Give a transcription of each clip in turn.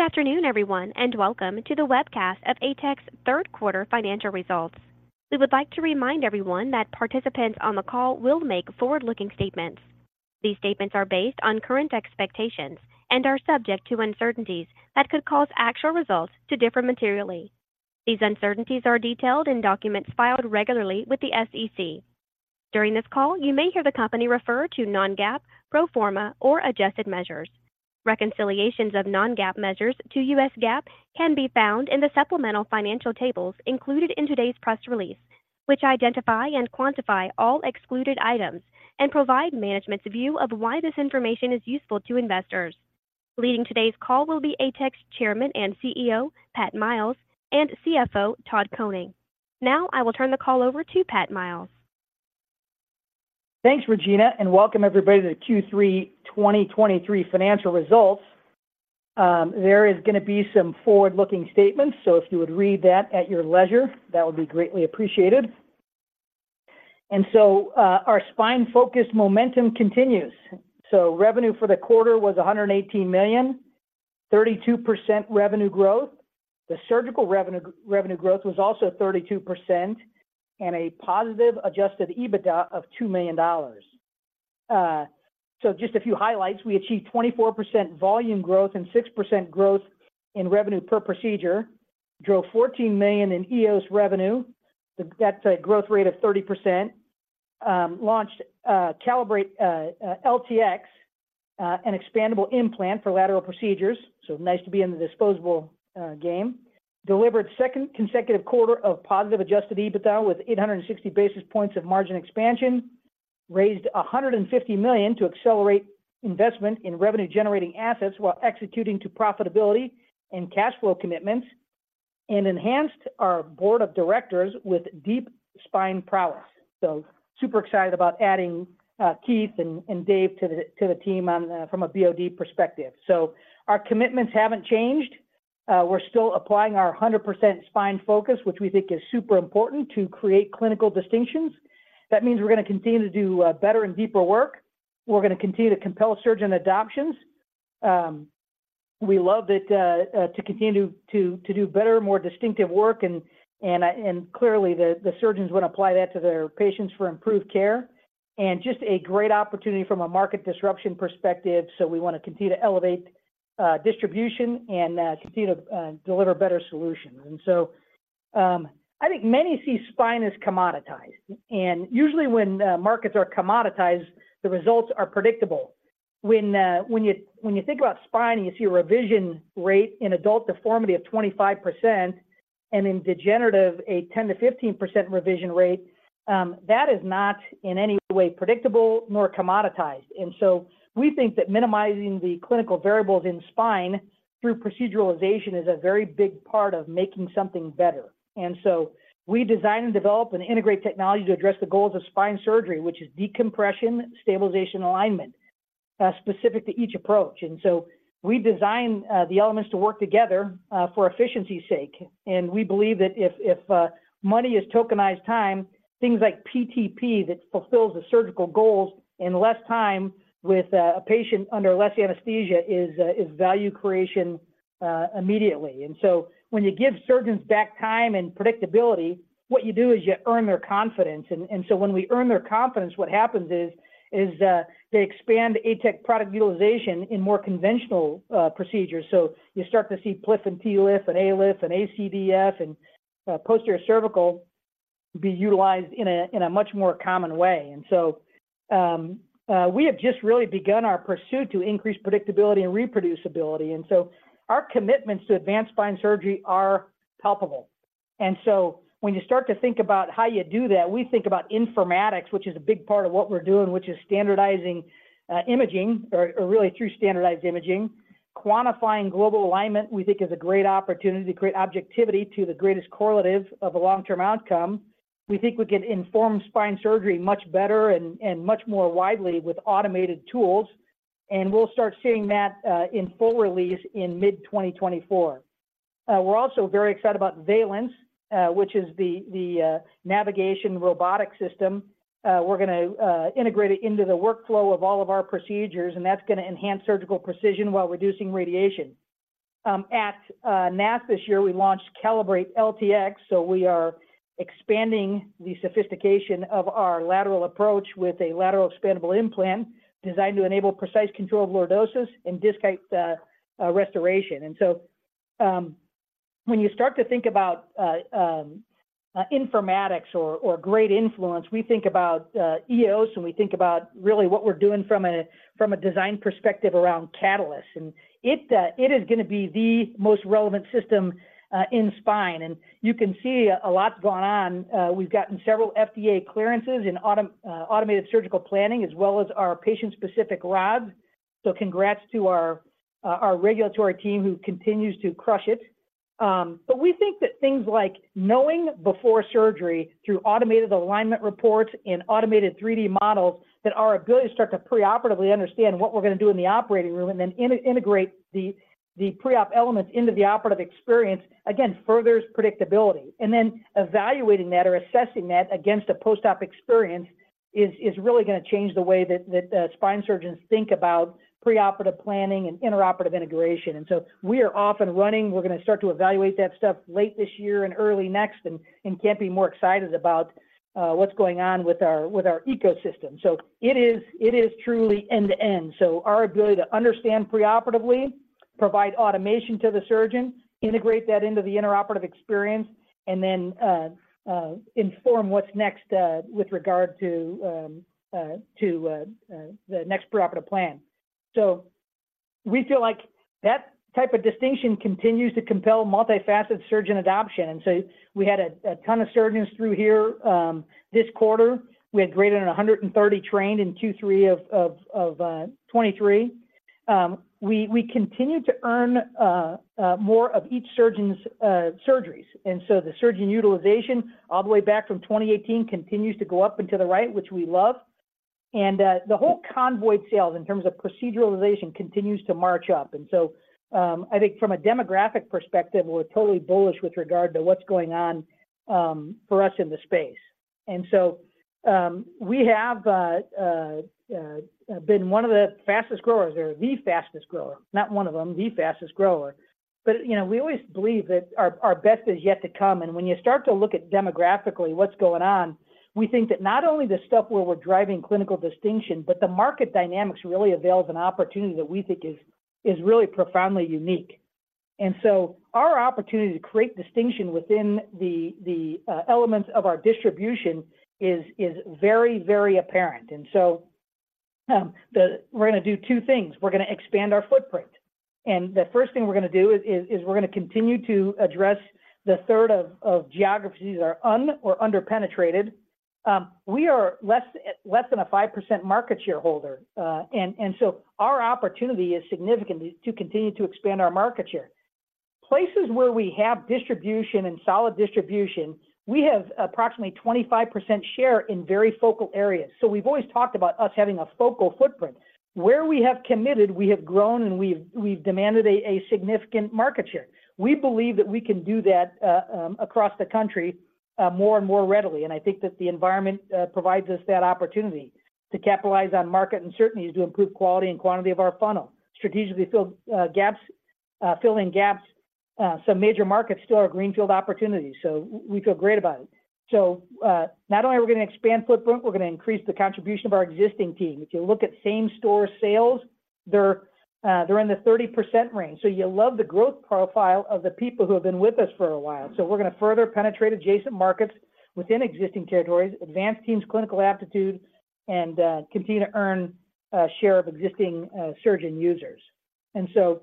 Good afternoon, everyone, and welcome to the webcast of ATEC's third quarter financial results. We would like to remind everyone that participants on the call will make forward-looking statements. These statements are based on current expectations and are subject to uncertainties that could cause actual results to differ materially. These uncertainties are detailed in documents filed regularly with the SEC. During this call, you may hear the company refer to non-GAAP, pro forma, or adjusted measures. Reconciliations of non-GAAP measures to U.S. GAAP can be found in the supplemental financial tables included in today's press release, which identify and quantify all excluded items and provide management's view of why this information is useful to investors. Leading today's call will be ATEC's Chairman and CEO, Pat Miles, and CFO, Todd Koning. Now, I will turn the call over to Pat Miles. Thanks, Regina, and welcome everybody to the Q3 2023 financial results. There is gonna be some forward-looking statements, so if you would read that at your leisure, that would be greatly appreciated. And so, our spine-focused momentum continues. So revenue for the quarter was $118 million, 32% revenue growth. The surgical revenue, revenue growth was also 32% and a positive Adjusted EBITDA of $2 million. So just a few highlights. We achieved 24% volume growth and 6% growth in revenue per procedure, drove $14 million in EOS revenue. That's a growth rate of 30%. Launched Calibrate LTX, an expandable implant for lateral procedures. So nice to be in the disposable game. Delivered second consecutive quarter of positive Adjusted EBITDA with 860 basis points of margin expansion, raised $150 million to accelerate investment in revenue-generating assets while executing to profitability and cash flow commitments, and enhanced our board of directors with deep spine prowess. So super excited about adding Keith and Dave to the team from a BOD perspective. So our commitments haven't changed. We're still applying our 100% spine focus, which we think is super important to create clinical distinctions. That means we're gonna continue to do better and deeper work. We're gonna continue to compel surgeon adoptions. We love that to continue to do better, more distinctive work and clearly, the surgeons would apply that to their patients for improved care, and just a great opportunity from a market disruption perspective. So we wanna continue to elevate distribution and continue to deliver better solutions. And so, I think many see spine as commoditized, and usually, when markets are commoditized, the results are predictable. When you think about spine, and you see a revision rate in adult deformity of 25% and in degenerative, a 10% to 15% revision rate, that is not in any way predictable nor commoditized. And so we think that minimizing the clinical variables in spine through proceduralization is a very big part of making something better. And so we design and develop and integrate technology to address the goals of spine surgery, which is decompression, stabilization, alignment, specific to each approach. And so we design the elements to work together for efficiency's sake. And we believe that if, if money is tokenized time, things like PTP that fulfills the surgical goals in less time with a patient under less anesthesia is value creation immediately. And so when you give surgeons back time and predictability, what you do is you earn their confidence. And, and so when we earn their confidence, what happens is they expand ATEC product utilization in more conventional procedures. So you start to see PLIF and TLIF and ALIF and ACDF and posterior cervical be utilized in a much more common way. And so, we have just really begun our pursuit to increase predictability and reproducibility, and so our commitments to advanced spine surgery are palpable. And so when you start to think about how you do that, we think about informatics, which is a big part of what we're doing, which is standardizing imaging or really through standardized imaging. Quantifying global alignment, we think, is a great opportunity to create objectivity to the greatest correlative of a long-term outcome. We think we can inform spine surgery much better and much more widely with automated tools, and we'll start seeing that in full release in mid-2024. We're also very excited about Remi, which is the navigation robotic system. We're gonna integrate it into the workflow of all of our procedures, and that's gonna enhance surgical precision while reducing radiation. At NASS this year, we launched Calibrate LTX, so we are expanding the sophistication of our lateral approach with a lateral expandable implant designed to enable precise control of lordosis and disc restoration. And so, when you start to think about informatics or great influence, we think about EOS, and we think about really what we're doing from a design perspective around Caliper. And it is gonna be the most relevant system in spine. And you can see a lot's gone on. We've gotten several FDA clearances in automated surgical planning, as well as our patient-specific rods. So congrats to our regulatory team, who continues to crush it. But we think that things like knowing before surgery through automated alignment reports and automated 3D models, that our ability to start to preoperatively understand what we're gonna do in the operating room and then integrate the pre-op elements into the operative experience, again, furthers predictability. And then evaluating that or assessing that against a post-op experience is really gonna change the way that spine surgeons think about preoperative planning and intraoperative integration. And so we are off and running. We're gonna start to evaluate that stuff late this year and early next, and can't be more excited about what's going on with our ecosystem. So it is truly end-to-end. So our ability to understand preoperatively...... provide automation to the surgeon, integrate that into the intraoperative experience, and then, inform what's next, with regard to, to, the next preoperative plan. So we feel like that type of distinction continues to compel multifaceted surgeon adoption. And so we had a ton of surgeons through here, this quarter. We had greater than 130 trained in Q3 of 2023. We continue to earn more of each surgeon's surgeries. And so the surgeon utilization all the way back from 2018 continues to go up into the right, which we love. And, the whole convoyed sales in terms of proceduralization continues to march up. And so, I think from a demographic perspective, we're totally bullish with regard to what's going on, for us in the space. And so, we have been one of the fastest growers or the fastest grower, not one of them, the fastest grower. But, you know, we always believe that our, our best is yet to come. And when you start to look at demographically what's going on, we think that not only the stuff where we're driving clinical distinction, but the market dynamics really avails an opportunity that we think is, is really profoundly unique. And so our opportunity to create distinction within the, the elements of our distribution is, is very, very apparent. And so, we're gonna do two things. We're gonna expand our footprint, and the first thing we're gonna do is we're gonna continue to address the third of geographies are un- or under-penetrated. We are less than a 5% market share. And so our opportunity is significant to continue to expand our market share. Places where we have distribution and solid distribution, we have approximately 25% share in very focal areas. So we've always talked about us having a focal footprint. Where we have committed, we have grown, and we've demanded a significant market share. We believe that we can do that across the country more and more readily, and I think that the environment provides us that opportunity to capitalize on market uncertainties to improve quality and quantity of our funnel. Strategically, fill in gaps. Some major markets still are greenfield opportunities, so we feel great about it. So, not only are we gonna expand footprint, we're gonna increase the contribution of our existing team. If you look at same-store sales, they're in the 30% range, so you love the growth profile of the people who have been with us for a while. So we're gonna further penetrate adjacent markets within existing territories, advance teams' clinical aptitude, and continue to earn share of existing surgeon users. And so,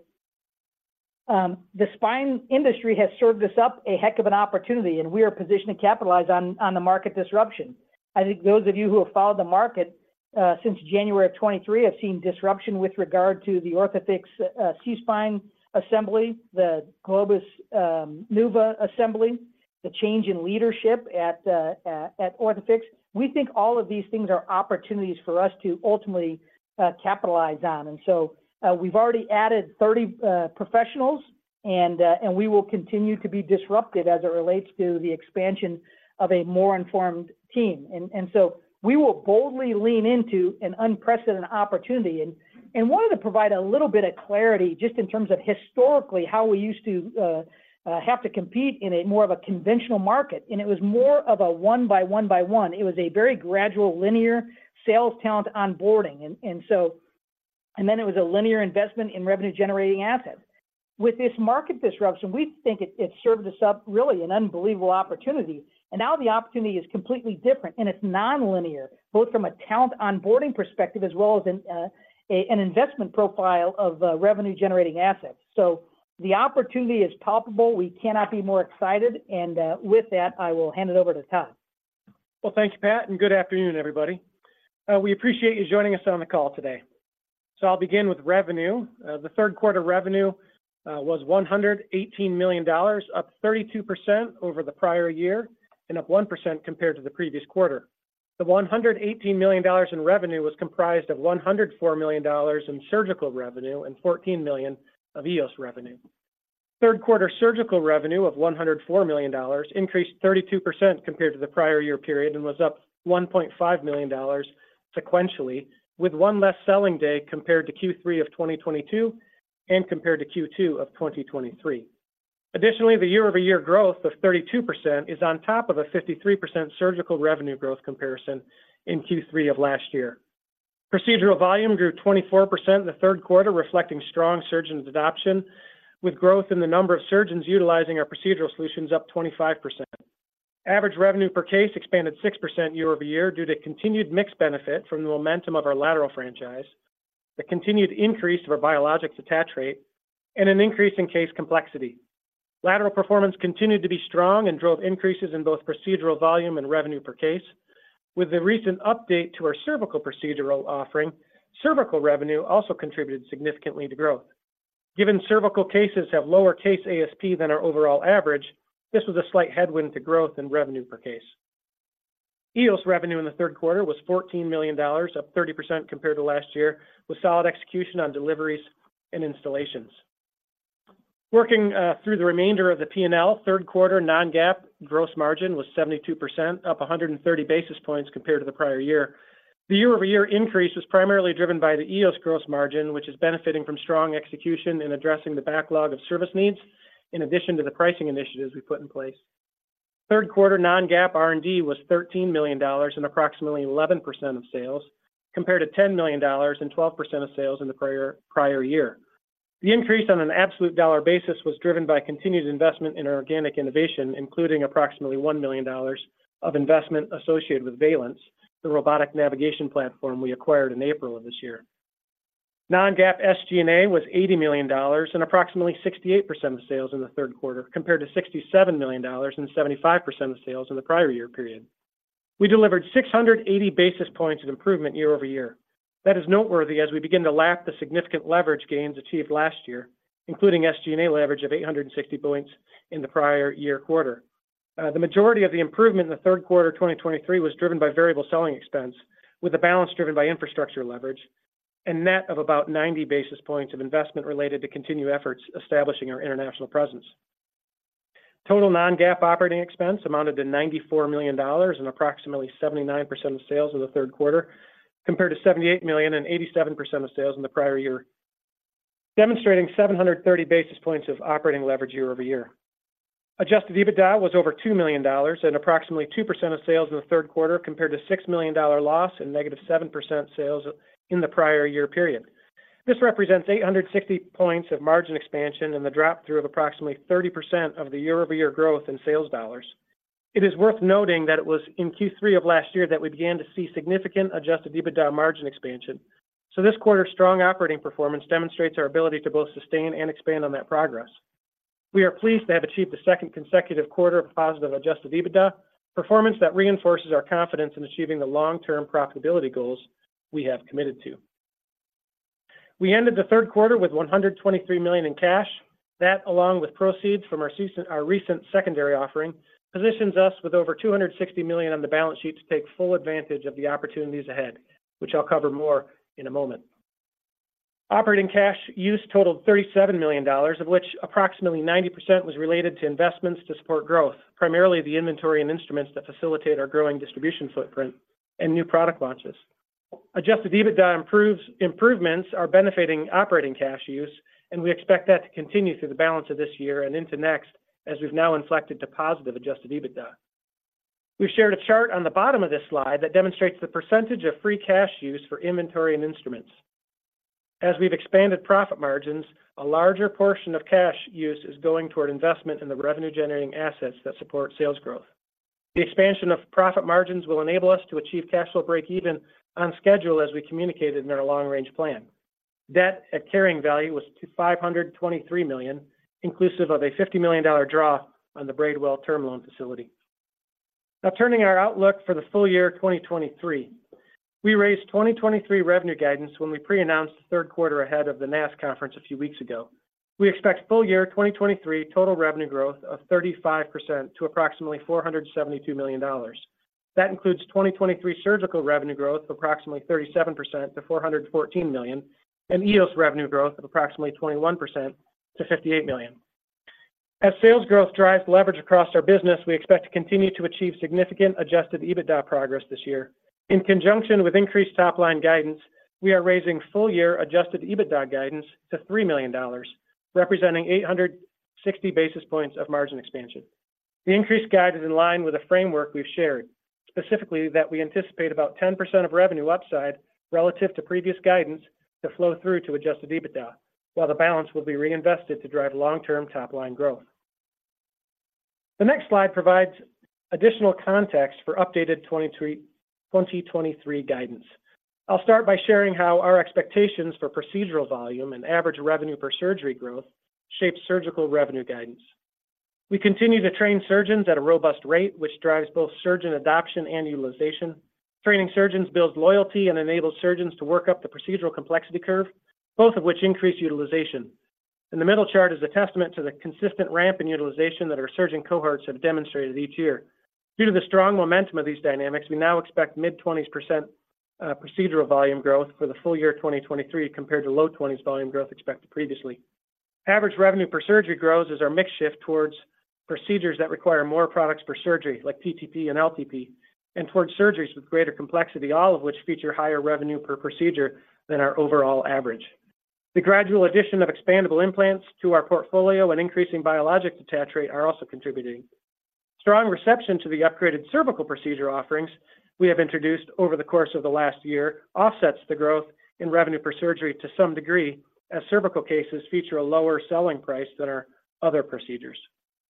the spine industry has served us up a heck of an opportunity, and we are positioned to capitalize on the market disruption. I think those of you who have followed the market since January of 2023 have seen disruption with regard to the Orthofix SeaSpine assembly, the Globus Nuva assembly, the change in leadership at Orthofix. We think all of these things are opportunities for us to ultimately capitalize on. So, we've already added 30 professionals, and we will continue to be disrupted as it relates to the expansion of a more informed team. So we will boldly lean into an unprecedented opportunity. Wanted to provide a little bit of clarity just in terms of historically, how we used to have to compete in a more of a conventional market. And it was more of a one by one by one. It was a very gradual, linear sales talent onboarding. And then it was a linear investment in revenue-generating assets. With this market disruption, we think it served us up really an unbelievable opportunity. And now the opportunity is completely different, and it's nonlinear, both from a talent onboarding perspective as well as an investment profile of revenue-generating assets. So the opportunity is palpable. We cannot be more excited, and, with that, I will hand it over to Todd. Well, thank you, Pat, and good afternoon, everybody. We appreciate you joining us on the call today. I'll begin with revenue. The third quarter revenue was $118 million, up 32% over the prior year and up 1% compared to the previous quarter. The $118 million in revenue was comprised of $104 million in surgical revenue and $14 million of EOS revenue. Third quarter surgical revenue of $104 million increased 32% compared to the prior year period and was up $1.5 million sequentially, with one less selling day compared to Q3 of 2022 and compared to Q2 of 2023. Additionally, the year-over-year growth of 32% is on top of a 53% surgical revenue growth comparison in Q3 of last year. Procedural volume grew 24% in the third quarter, reflecting strong surgeon adoption, with growth in the number of surgeons utilizing our procedural solutions up 25%. Average revenue per case expanded 6% year-over-year due to continued mix benefit from the momentum of our lateral franchise, the continued increase of our biologics attach rate, and an increase in case complexity. Lateral performance continued to be strong and drove increases in both procedural volume and revenue per case. With the recent update to our cervical procedural offering, cervical revenue also contributed significantly to growth. Given cervical cases have lower case ASP than our overall average, this was a slight headwind to growth in revenue per case. EOS revenue in the third quarter was $14 million, up 30% compared to last year, with solid execution on deliveries and installations. Working through the remainder of the P&L, third quarter non-GAAP gross margin was 72%, up 130 basis points compared to the prior year. The year-over-year increase was primarily driven by the EOS gross margin, which is benefiting from strong execution in addressing the backlog of service needs, in addition to the pricing initiatives we put in place.... Third quarter non-GAAP R&D was $13 million and approximately 11% of sales, compared to $10 million and 12% of sales in the prior, prior year. The increase on an absolute dollar basis was driven by continued investment in organic innovation, including approximately $1 million of investment associated with Remi, the robotic navigation platform we acquired in April of this year. Non-GAAP SG&A was $80 million and approximately 68% of sales in the third quarter, compared to $67 million and 75% of sales in the prior year period. We delivered 680 basis points of improvement year-over-year. That is noteworthy as we begin to lap the significant leverage gains achieved last year, including SG&A leverage of 860 points in the prior year quarter. The majority of the improvement in the third quarter 2023 was driven by variable selling expense, with the balance driven by infrastructure leverage and net of about 90 basis points of investment related to continued efforts establishing our international presence. Total non-GAAP operating expense amounted to $94 million and approximately 79% of sales in the third quarter, compared to $78 million and 87% of sales in the prior year, demonstrating 730 basis points of operating leverage year over year. Adjusted EBITDA was over $2 million and approximately 2% of sales in the third quarter, compared to $6 million dollar loss and -7% sales in the prior year period. This represents 860 points of margin expansion and the drop through of approximately 30% of the year-over-year growth in sales dollars. It is worth noting that it was in Q3 of last year that we began to see significant adjusted EBITDA margin expansion. So this quarter's strong operating performance demonstrates our ability to both sustain and expand on that progress. We are pleased to have achieved the second consecutive quarter of positive adjusted EBITDA, performance that reinforces our confidence in achieving the long-term profitability goals we have committed to. We ended the third quarter with $123 million in cash. That, along with proceeds from our recent secondary offering, positions us with over $260 million on the balance sheet to take full advantage of the opportunities ahead, which I'll cover more in a moment. Operating cash use totaled $37 million, of which approximately 90% was related to investments to support growth, primarily the inventory and instruments that facilitate our growing distribution footprint and new product launches. Adjusted EBITDA improvements are benefiting operating cash use, and we expect that to continue through the balance of this year and into next, as we've now inflected to positive adjusted EBITDA. We've shared a chart on the bottom of this slide that demonstrates the percentage of free cash use for inventory and instruments. As we've expanded profit margins, a larger portion of cash use is going toward investment in the revenue-generating assets that support sales growth. The expansion of profit margins will enable us to achieve cash flow break even on schedule, as we communicated in our long-range plan. Debt at carrying value was $523 million, inclusive of a $50 million draw on the Braidwell Term Loan facility. Now, turning our outlook for the full year 2023. We raised 2023 revenue guidance when we pre-announced the third quarter ahead of the NASS conference a few weeks ago. We expect full year 2023 total revenue growth of 35% to approximately $472 million. That includes 2023 surgical revenue growth of approximately 37% to $414 million, and EOS revenue growth of approximately 21% to $58 million. As sales growth drives leverage across our business, we expect to continue to achieve significant adjusted EBITDA progress this year. In conjunction with increased top-line guidance, we are raising full-year adjusted EBITDA guidance to $3 million, representing 860 basis points of margin expansion. The increased guide is in line with the framework we've shared, specifically that we anticipate about 10% of revenue upside relative to previous guidance to flow through to adjusted EBITDA, while the balance will be reinvested to drive long-term top-line growth. The next slide provides additional context for updated 2023 guidance. I'll start by sharing how our expectations for procedural volume and average revenue per surgery growth shape surgical revenue guidance. We continue to train surgeons at a robust rate, which drives both surgeon adoption and utilization. Training surgeons builds loyalty and enables surgeons to work up the procedural complexity curve, both of which increase utilization. The middle chart is a testament to the consistent ramp in utilization that our surgeon cohorts have demonstrated each year. Due to the strong momentum of these dynamics, we now expect mid-20s% procedural volume growth for the full year 2023, compared to low 20s volume growth expected previously. Average revenue per surgery grows as our mix shift towards procedures that require more products per surgery, like PTP and LTP, and towards surgeries with greater complexity, all of which feature higher revenue per procedure than our overall average. The gradual addition of expandable implants to our portfolio and increasing biologics attach rate are also contributing. Strong reception to the upgraded cervical procedure offerings we have introduced over the course of the last year offsets the growth in revenue per surgery to some degree, as cervical cases feature a lower selling price than our other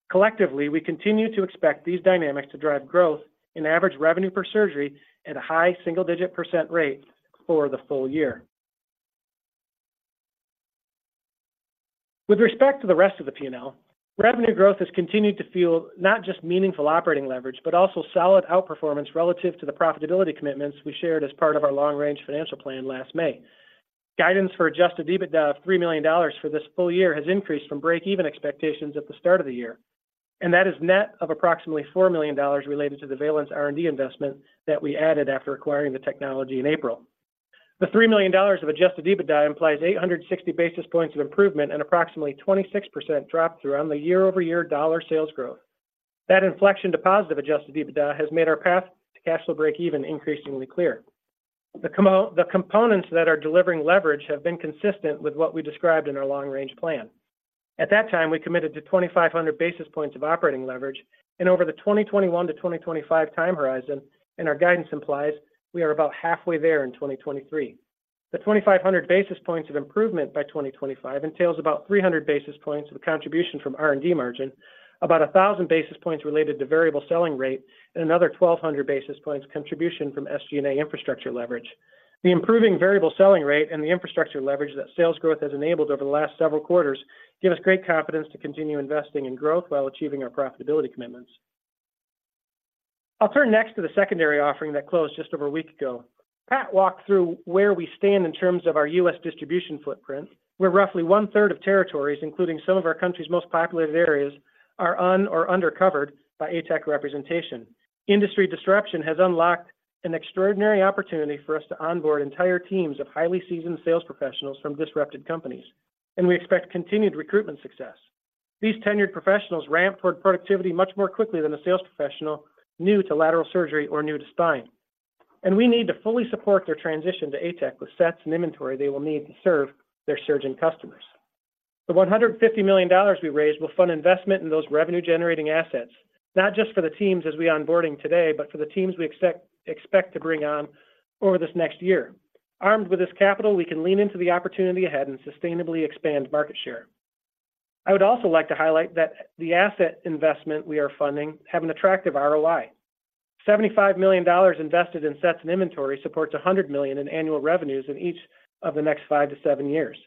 procedures. Collectively, we continue to expect these dynamics to drive growth in average revenue per surgery at a high single-digit % rate for the full year. With respect to the rest of the P&L, revenue growth has continued to fuel not just meaningful operating leverage, but also solid outperformance relative to the profitability commitments we shared as part of our long-range financial plan last May. Guidance for Adjusted EBITDA of $3 million for this full year has increased from breakeven expectations at the start of the year, and that is net of approximately $4 million related to the Remi R&D investment that we added after acquiring the technology in April. The $3 million of Adjusted EBITDA implies 860 basis points of improvement and approximately 26% drop through on the year-over-year dollar sales growth. That inflection to positive Adjusted EBITDA has made our path to cash flow breakeven increasingly clear.... The components that are delivering leverage have been consistent with what we described in our long-range plan. At that time, we committed to 2,500 basis points of operating leverage, and over the 2021 to 2025 time horizon, and our guidance implies we are about halfway there in 2023. The 2,500 basis points of improvement by 2025 entails about 300 basis points of contribution from R&D margin, about 1,000 basis points related to variable selling rate, and another 1,200 basis points contribution from SG&A infrastructure leverage. The improving variable selling rate and the infrastructure leverage that sales growth has enabled over the last several quarters give us great confidence to continue investing in growth while achieving our profitability commitments. I'll turn next to the secondary offering that closed just over a week ago. Pat walked through where we stand in terms of our U.S. distribution footprint, where roughly one-third of territories, including some of our country's most populated areas, are un- or undercovered by ATEC representation. Industry disruption has unlocked an extraordinary opportunity for us to onboard entire teams of highly seasoned sales professionals from disrupted companies, and we expect continued recruitment success. These tenured professionals ramp toward productivity much more quickly than a sales professional new to lateral surgery or new to spine. And we need to fully support their transition to ATEC with sets and inventory they will need to serve their surgeon customers. The $150 million we raised will fund investment in those revenue-generating assets, not just for the teams as we are onboarding today, but for the teams we expect to bring on over this next year. Armed with this capital, we can lean into the opportunity ahead and sustainably expand market share. I would also like to highlight that the asset investment we are funding have an attractive ROI. $75 million invested in sets and inventory supports $100 million in annual revenues in each of the next five to seven years.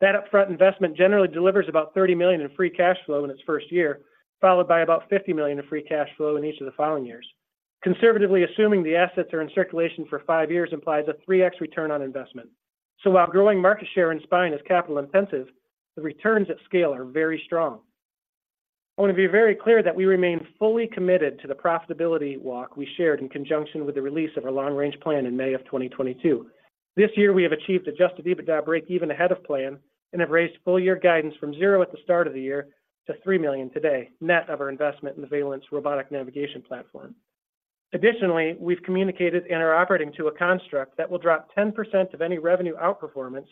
That upfront investment generally delivers about $30 million in free cash flow in its first year, followed by about $50 million in free cash flow in each of the following years. Conservatively assuming the assets are in circulation for five years implies a 3x return on investment. So while growing market share in spine is capital intensive, the returns at scale are very strong. I want to be very clear that we remain fully committed to the profitability walk we shared in conjunction with the release of our long-range plan in May of 2022. This year, we have achieved adjusted EBITDA breakeven ahead of plan and have raised full year guidance from $0 at the start of the year to $3 million today, net of our investment in the Remi Robotic Navigation Platform. Additionally, we've communicated and are operating to a construct that will drop 10% of any revenue outperformance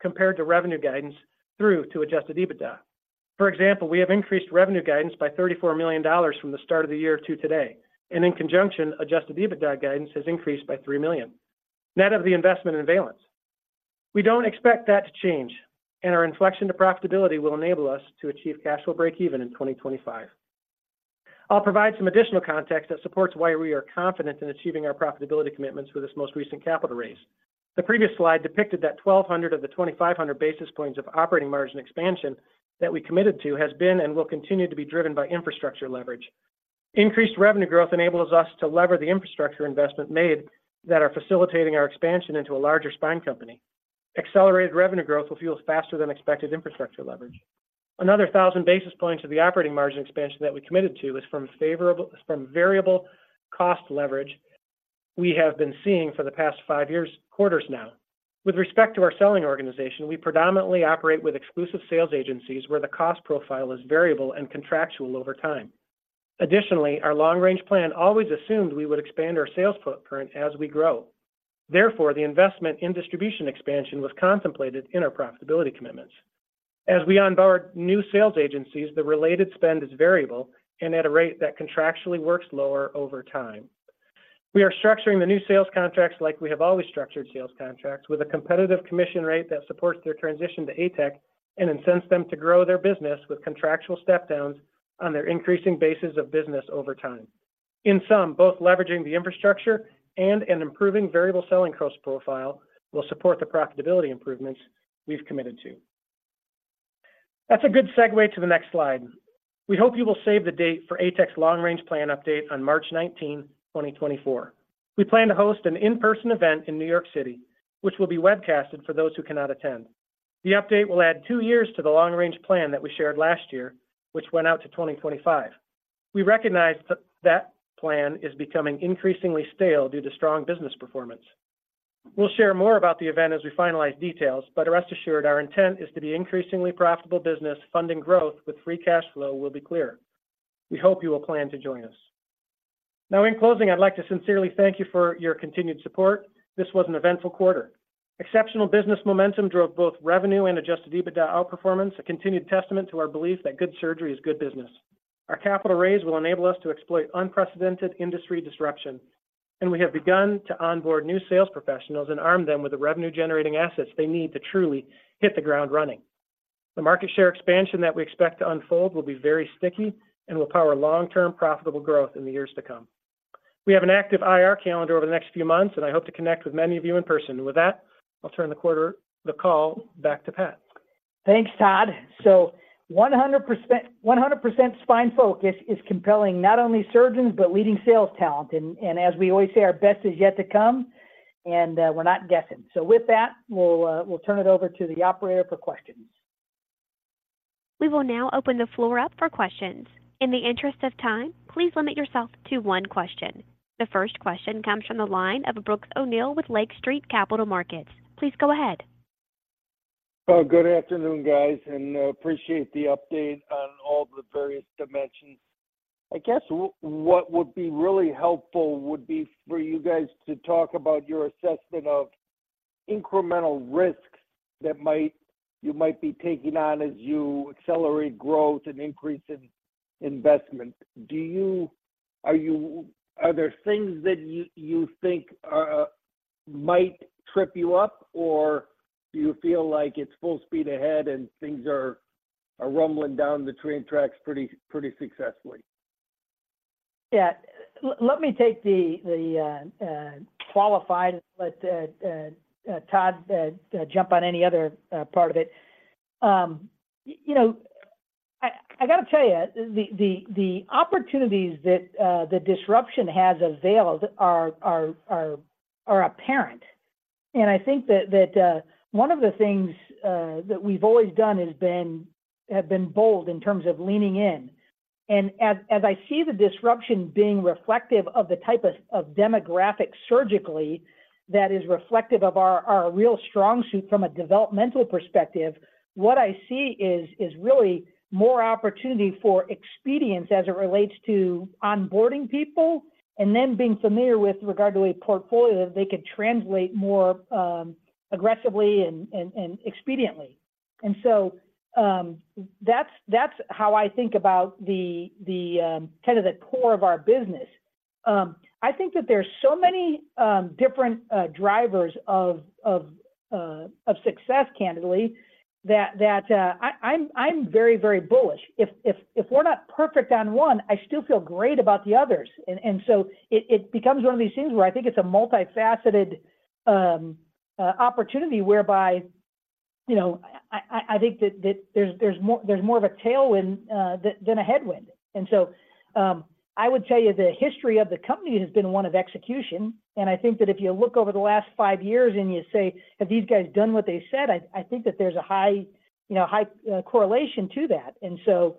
compared to revenue guidance through to adjusted EBITDA. For example, we have increased revenue guidance by $34 million from the start of the year to today, and in conjunction, adjusted EBITDA guidance has increased by $3 million, net of the investment in Remi. We don't expect that to change, and our inflection to profitability will enable us to achieve cash flow breakeven in 2025. I'll provide some additional context that supports why we are confident in achieving our profitability commitments with this most recent capital raise. The previous slide depicted that 1,200 of the 2,500 basis points of operating margin expansion that we committed to has been and will continue to be driven by infrastructure leverage. Increased revenue growth enables us to lever the infrastructure investment made that are facilitating our expansion into a larger spine company. Accelerated revenue growth will fuel faster than expected infrastructure leverage. Another 1,000 basis points of the operating margin expansion that we committed to is from favorable variable cost leverage we have been seeing for the past five years, quarters now. With respect to our selling organization, we predominantly operate with exclusive sales agencies where the cost profile is variable and contractual over time. Additionally, our long-range plan always assumed we would expand our sales footprint as we grow. Therefore, the investment in distribution expansion was contemplated in our profitability commitments. As we onboard new sales agencies, the related spend is variable and at a rate that contractually works lower over time. We are structuring the new sales contracts like we have always structured sales contracts, with a competitive commission rate that supports their transition to ATEC and incents them to grow their business with contractual step downs on their increasing bases of business over time. In sum, both leveraging the infrastructure and an improving variable selling cost profile will support the profitability improvements we've committed to. That's a good segue to the next slide. We hope you will save the date for ATEC's long-range plan update on March 19th, 2024. We plan to host an in-person event in New York City, which will be webcasted for those who cannot attend. The update will add two years to the long-range plan that we shared last year, which went out to 2025. We recognize that that plan is becoming increasingly stale due to strong business performance. We'll share more about the event as we finalize details, but rest assured, our intent is to be increasingly profitable business, funding growth with free cash flow will be clear. We hope you will plan to join us. Now, in closing, I'd like to sincerely thank you for your continued support. This was an eventful quarter. Exceptional business momentum drove both revenue and Adjusted EBITDA outperformance, a continued testament to our belief that good surgery is good business. Our capital raise will enable us to exploit unprecedented industry disruption, and we have begun to onboard new sales professionals and arm them with the revenue-generating assets they need to truly hit the ground running. The market share expansion that we expect to unfold will be very sticky and will power long-term profitable growth in the years to come. We have an active IR calendar over the next few months, and I hope to connect with many of you in person. With that, I'll turn the call back to Pat. Thanks, Todd. So 100%, 100% spine focus is compelling not only surgeons, but leading sales talent. And as we always say, our best is yet to come, and we're not guessing. So with that, we'll turn it over to the operator for questions. We will now open the floor up for questions. In the interest of time, please limit yourself to one question. The first question comes from the line of Brooks O'Neil with Lake Street Capital Markets. Please go ahead. ... Good afternoon, guys, and appreciate the update on all the various dimensions. I guess what would be really helpful would be for you guys to talk about your assessment of incremental risks that you might be taking on as you accelerate growth and increase in investment. Are there things that you think might trip you up, or do you feel like it's full speed ahead, and things are rumbling down the train tracks pretty successfully? Yeah. Let me take the qualified, but Todd, jump on any other part of it. You know, I gotta tell you, the opportunities that the disruption has availed are apparent. And I think that one of the things that we've always done has been bold in terms of leaning in. And as I see the disruption being reflective of the type of demographic surgically, that is reflective of our real strong suit from a developmental perspective, what I see is really more opportunity for expedience as it relates to onboarding people, and then being familiar with regard to a portfolio that they could translate more aggressively and expediently. That's how I think about the core of our business. I think that there are so many different drivers of success, candidly, that I'm very, very bullish. If we're not perfect on one, I still feel great about the others. And so it becomes one of these things where I think it's a multifaceted opportunity, whereby, you know, I think that there's more of a tailwind than a headwind. And so, I would tell you the history of the company has been one of execution, and I think that if you look over the last five years and you say: Have these guys done what they said? I think that there's a high, you know, high correlation to that. And so,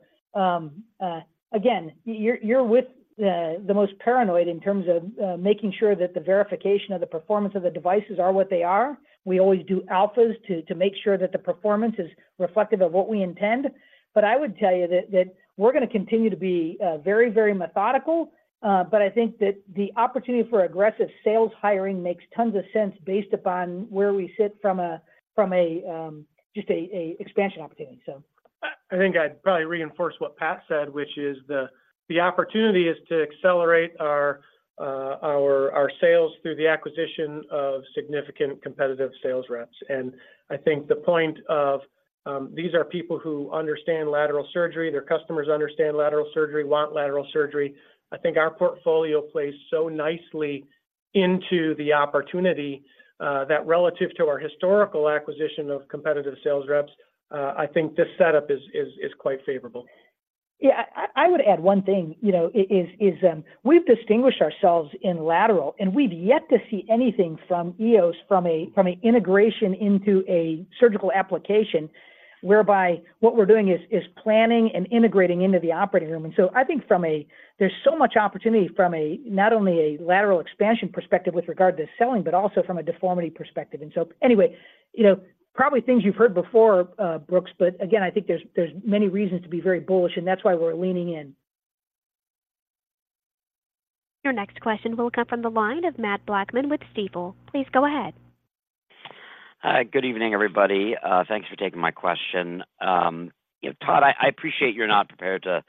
again, you're with the most paranoid in terms of making sure that the verification of the performance of the devices are what they are. We always do alphas to make sure that the performance is reflective of what we intend. But I would tell you that we're gonna continue to be very, very methodical, but I think that the opportunity for aggressive sales hiring makes tons of sense based upon where we sit from a just an expansion opportunity, so. I think I'd probably reinforce what Pat said, which is the opportunity is to accelerate our sales through the acquisition of significant competitive sales reps. And I think the point of these are people who understand lateral surgery, their customers understand lateral surgery, want lateral surgery. I think our portfolio plays so nicely into the opportunity that relative to our historical acquisition of competitive sales reps, I think this setup is quite favorable. Yeah, I would add one thing, you know, we've distinguished ourselves in lateral, and we've yet to see anything from EOS, from an integration into a surgical application, whereby what we're doing is planning and integrating into the operating room. And so I think from a—there's so much opportunity from a, not only a lateral expansion perspective with regard to selling, but also from a deformity perspective. And so, anyway, you know, probably things you've heard before, Brooks, but again, I think there's many reasons to be very bullish, and that's why we're leaning in. Your next question will come from the line of Mathew Blackman with Stifel. Please go ahead. Hi, good evening, everybody. Thanks for taking my question. You know, Todd, I appreciate you're not prepared to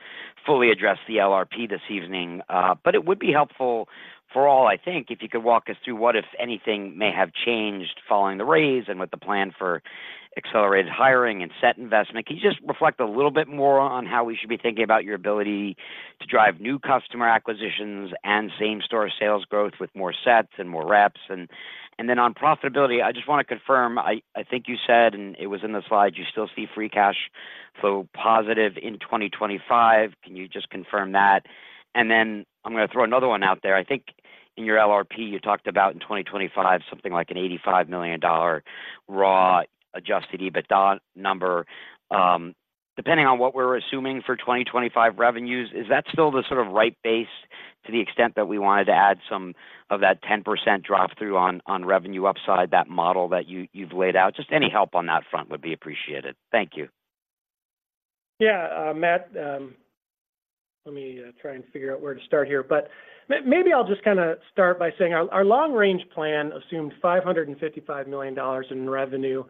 fully address the LRP this evening, but it would be helpful for all, I think, if you could walk us through what, if anything, may have changed following the raise and what the plan for accelerated hiring and set investment. Can you just reflect a little bit more on how we should be thinking about your ability to drive new customer acquisitions and same-store sales growth with more sets and more reps? And then on profitability, I just want to confirm, I think you said, and it was in the slide, you still see free cash flow positive in 2025. Can you just confirm that? And then I'm gonna throw another one out there. I think in your LRP, you talked about in 2025, something like an $85 million run-rate Adjusted EBITDA number. Depending on what we're assuming for 2025 revenues, is that still the sort of right base to the extent that we wanted to add some of that 10% drop-through on, on revenue upside, that model that you've laid out? Just any help on that front would be appreciated. Thank you. Yeah, Matt, let me try and figure out where to start here. But maybe I'll just kinda start by saying our long-range plan assumes $555 million in revenue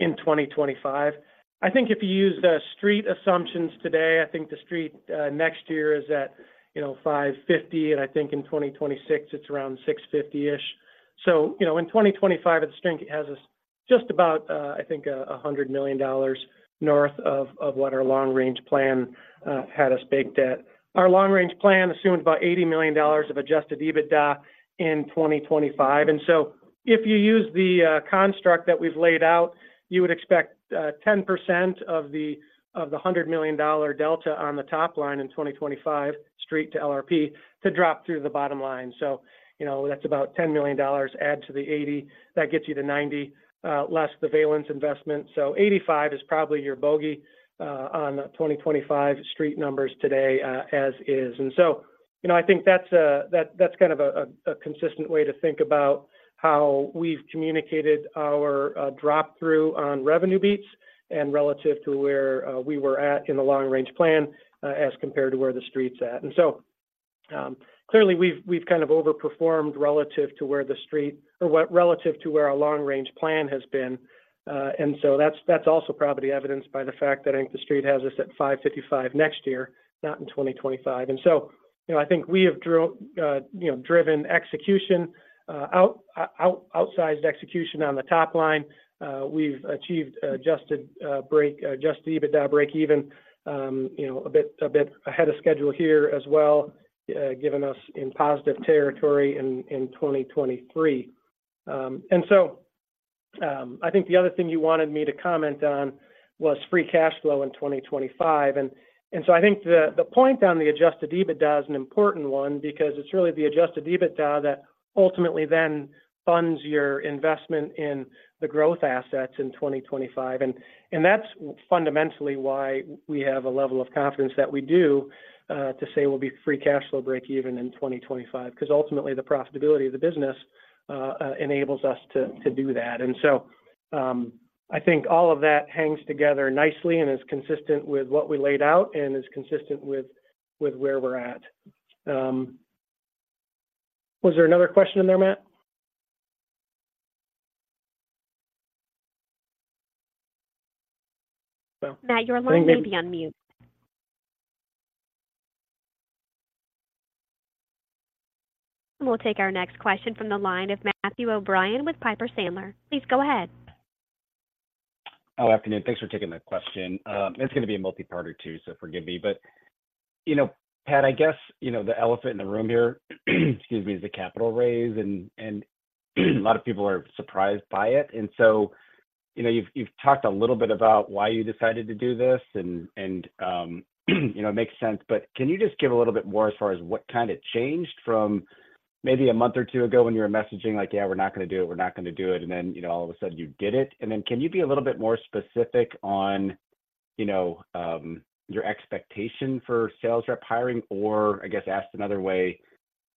in 2025. I think if you use the street assumptions today, I think the street next year is at, you know, $550, and I think in 2026, it's around $650-ish. So, you know, in 2025, the strength has us just about, I think, $100 million north of what our long-range plan had us baked at. Our long-range plan assumed about $80 million of Adjusted EBITDA in 2025. And so if you use the construct that we've laid out, you would expect 10% of the $100 million delta on the top line in 2025, straight to LRP, to drop through the bottom line. So, you know, that's about $10 million add to the $80 million, that gets you to $90 million, less the Remi investment. So $85 million is probably your bogey on the 2025 street numbers today, as is. And so, you know, I think that's kind of a consistent way to think about how we've communicated our drop-through on revenue beats and relative to where we were at in the long range plan, as compared to where the street's at. Clearly, we've kind of overperformed relative to where the street—or what relative to where our long-range plan has been. And so that's also probably evidenced by the fact that I think the street has us at $555 next year, not in 2025. And so, you know, I think we have driven execution, you know, outsized execution on the top line. We've achieved adjusted EBITDA breakeven, you know, a bit ahead of schedule here as well, getting us in positive territory in 2023. And so, I think the other thing you wanted me to comment on was free cash flow in 2025. I think the point on the Adjusted EBITDA is an important one because it's really the Adjusted EBITDA that ultimately then funds your investment in the growth assets in 2025. And that's fundamentally why we have a level of confidence that we do to say we'll be free cash flow breakeven in 2025, because ultimately, the profitability of the business enables us to do that. And so, I think all of that hangs together nicely and is consistent with what we laid out and is consistent with where we're at. Was there another question in there, Matt? Matt, your line may be on mute. We'll take our next question from the line of Matthew O'Brien with Piper Sandler. Please go ahead. Good afternoon. Thanks for taking the question. It's gonna be a multipart too, so forgive me. But, you know, Pat, I guess, you know, the elephant in the room here, excuse me, is the capital raise, and, and a lot of people are surprised by it. And so, you know, you've, you've talked a little bit about why you decided to do this, and, and, you know, it makes sense, but can you just give a little bit more as far as what kind of changed from maybe a month or two ago when you were messaging like, "Yeah, we're not gonna do it, we're not gonna do it," and then, you know, all of a sudden you did it? Then, can you be a little bit more specific on, you know, your expectation for sales rep hiring, or I guess asked another way,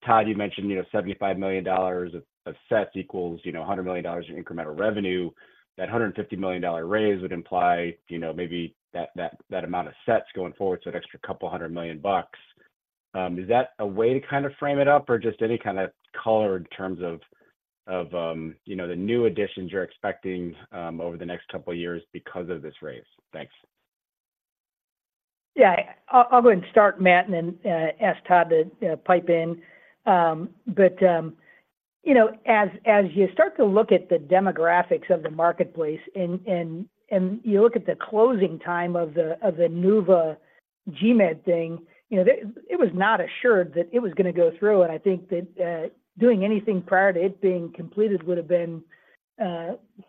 Todd, you mentioned, you know, $75 million of sets equals, you know, $100 million in incremental revenue. That $150 million raise would imply, you know, maybe that amount of sets going forward, so an extra couple 100 million bucks. Is that a way to kind of frame it up or just any kind of color in terms of, you know, the new additions you're expecting over the next couple of years because of this raise? Thanks. Yeah. I'll go ahead and start, Matt, and then ask Todd to pipe in. But you know, as you start to look at the demographics of the marketplace and you look at the closing time of the Nuva GMED thing, you know, it was not assured that it was gonna go through, and I think that doing anything prior to it being completed would have been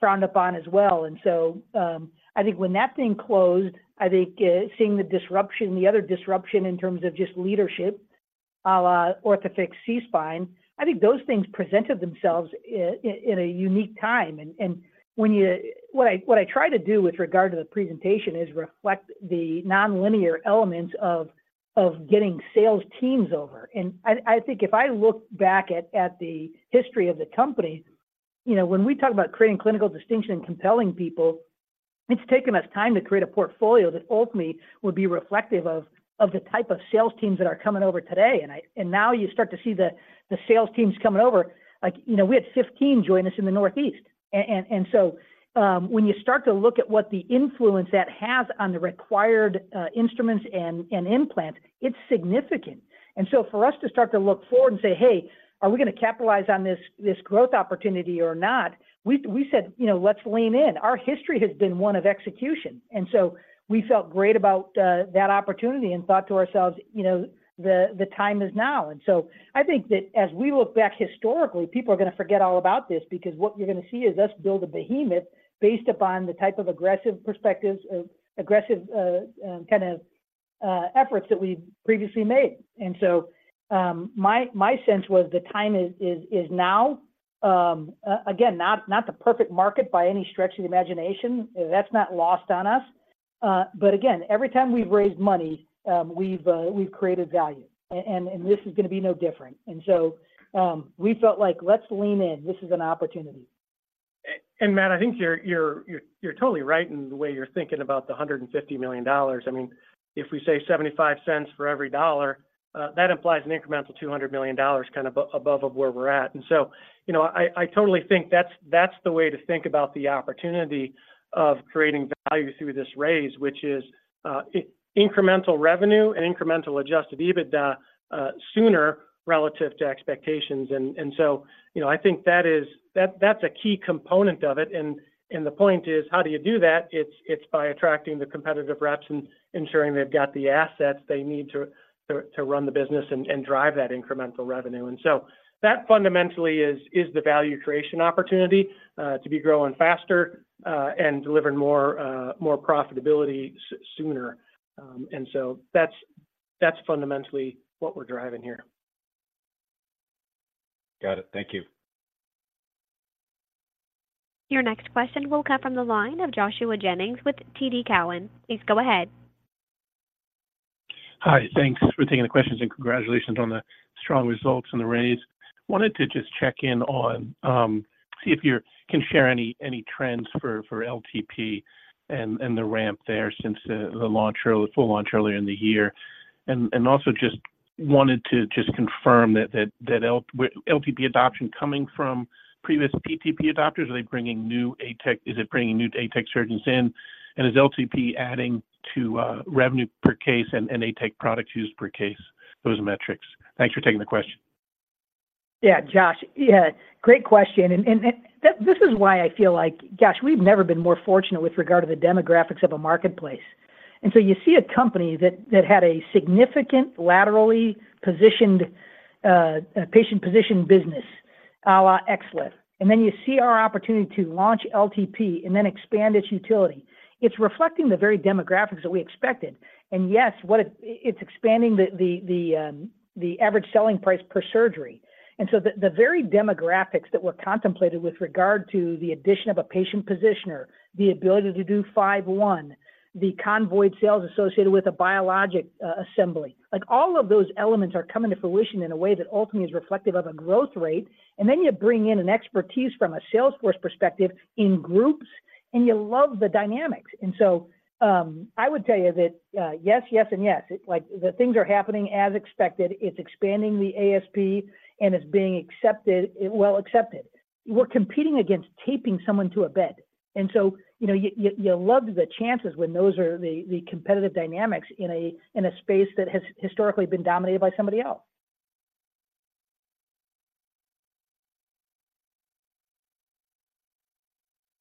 frowned upon as well. And so I think when that thing closed, I think seeing the disruption, the other disruption in terms of just leadership, à la Orthofix SeaSpine, I think those things presented themselves in a unique time. And when you—what I try to do with regard to the presentation is reflect the nonlinear elements of getting sales teams over. I think if I look back at the history of the company, you know, when we talk about creating clinical distinction and compelling people, it's taken us time to create a portfolio that ultimately would be reflective of the type of sales teams that are coming over today. And now you start to see the sales teams coming over. Like, you know, we had 15 join us in the Northeast. And so, when you start to look at what the influence that has on the required instruments and implants, it's significant. And so for us to start to look forward and say, "Hey, are we gonna capitalize on this, this growth opportunity or not?" We, we said, you know, "Let's lean in." Our history has been one of execution, and so we felt great about that opportunity and thought to ourselves, you know, "The, the time is now." And so I think that as we look back historically, people are gonna forget all about this because what you're gonna see is us build a behemoth based upon the type of aggressive perspectives, aggressive, kind of efforts that we've previously made. And so, my sense was the time is now. Again, not the perfect market by any stretch of the imagination. That's not lost on us. But again, every time we've raised money, we've created value, and this is gonna be no different. And so, we felt like, let's lean in. This is an opportunity. And, Matt, I think you're totally right in the way you're thinking about the $150 million. I mean, if we say $0.75 for every dollar, that implies an incremental $200 million kind of above where we're at. And so, you know, I totally think that's the way to think about the opportunity of creating value through this raise, which is incremental revenue and incremental adjusted EBITDA sooner relative to expectations. And so, you know, I think that is, that that's a key component of it. And the point is, how do you do that? It's by attracting the competitive reps and ensuring they've got the assets they need to run the business and drive that incremental revenue. That fundamentally is the value creation opportunity to be growing faster and delivering more profitability sooner. That's fundamentally what we're driving here. Got it. Thank you. Your next question will come from the line of Joshua Jennings with TD Cowen. Please go ahead.... Hi, thanks for taking the questions, and congratulations on the strong results and the raise. Wanted to just check in on, see if you can share any trends for LTP and the ramp there since the full launch earlier in the year. And also just wanted to just confirm that LTP adoption coming from previous PTP adopters, are they bringing new ATEC? Is it bringing new ATEC surgeons in, and is LTP adding to revenue per case and ATEC product use per case, those metrics? Thanks for taking the question. Yeah, Josh. Yeah, great question. And this is why I feel like, gosh, we've never been more fortunate with regard to the demographics of a marketplace. And so you see a company that had a significant laterally positioned patient position business, XLIF. And then you see our opportunity to launch LTP and then expand its utility. It's reflecting the very demographics that we expected, and yes, what it's expanding the average selling price per surgery. And so the very demographics that were contemplated with regard to the addition of a patient positioner, the ability to do 5/1, the convoyed sales associated with a biologic assembly. Like all of those elements are coming to fruition in a way that ultimately is reflective of a growth rate. Then you bring in an expertise from a sales force perspective in groups, and you love the dynamics. So, I would tell you that yes, yes, and yes. Like, the things are happening as expected. It's expanding the ASP, and it's being accepted, well accepted. We're competing against taping someone to a bed, and so, you know, you love the chances when those are the competitive dynamics in a space that has historically been dominated by somebody else.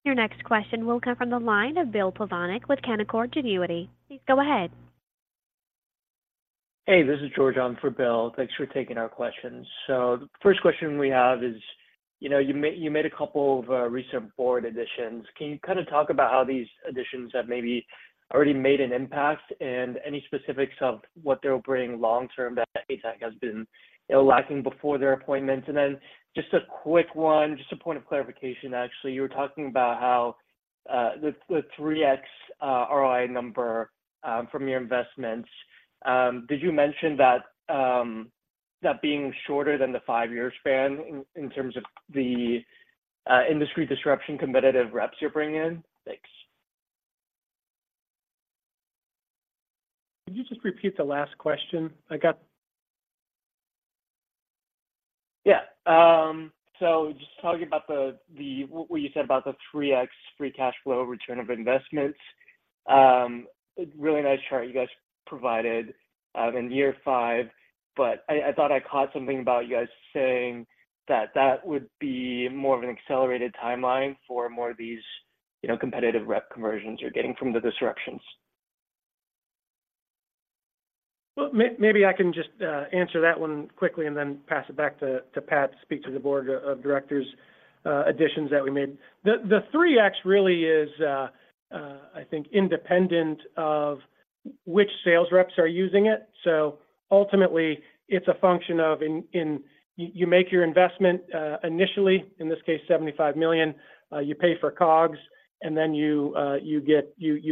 Your next question will come from the line of Bill Plovanic with Canaccord Genuity. Please go ahead. Hey, this is George. I'm for Bill. Thanks for taking our questions. So the first question we have is, you know, you made a couple of recent board additions. Can you kinda talk about how these additions have maybe already made an impact, and any specifics of what they'll bring long term that ATEC has been, you know, lacking before their appointments? And then just a quick one, just a point of clarification, actually. You were talking about how the 3x ROI number from your investments. Did you mention that being shorter than the Five-year span in terms of the industry disruption, competitive reps you're bringing in? Thanks. Could you just repeat the last question? I got- Yeah, so just talking about what you said about the 3x free cash flow return of investments. Really nice chart you guys provided in year five, but I thought I caught something about you guys saying that that would be more of an accelerated timeline for more of these, you know, competitive rep conversions you're getting from the disruptions. Well, maybe I can just answer that one quickly and then pass it back to Pat to speak to the board of directors' additions that we made. The 3x really is, I think, independent of which sales reps are using it. So ultimately, it's a function of in you make your investment initially, in this case, $75 million. You pay for COGS, and then you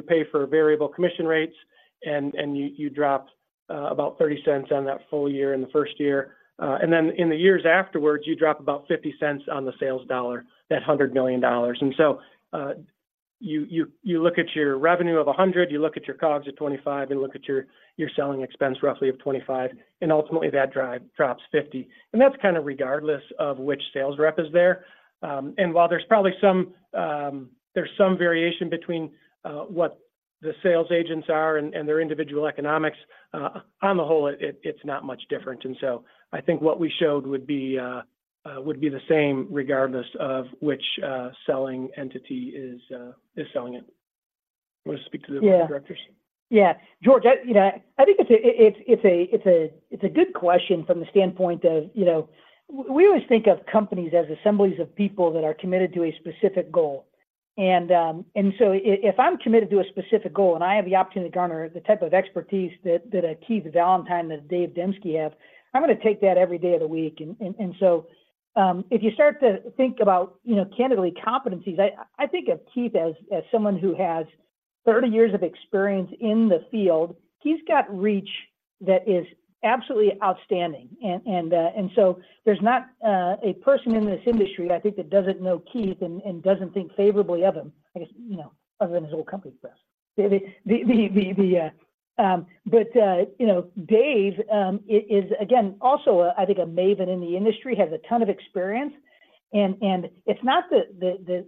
pay for variable commission rates, and you drop about $0.30 on that full year in the first year. And then in the years afterwards, you drop about $0.50 on the sales dollar, that $100 million. So, you look at your revenue of $100, you look at your COGS of $25, and look at your selling expense roughly of $25, and ultimately, that drive drops $50. And that's kinda regardless of which sales rep is there. And while there's probably some, there's some variation between what the sales agents are and their individual economics, on the whole, it's not much different. And so I think what we showed would be the same, regardless of which selling entity is selling it. You want to speak to the board of directors? Yeah. George, I think it's a good question from the standpoint of, you know. We always think of companies as assemblies of people that are committed to a specific goal. And so if I'm committed to a specific goal and I have the opportunity to garner the type of expertise that Keith Valentine and Dave Demski have, I'm gonna take that every day of the week. And so if you start to think about, you know, candidly competencies, I think of Keith as someone who has 30 years of experience in the field. Keith's got reach that is absolutely outstanding. And so there's not a person in this industry, I think, that doesn't know Keith and doesn't think favorably of him, I guess, you know, other than his old company, of course. But you know, Dave is again, also a, I think, a maven in the industry, has a ton of experience, and it's not that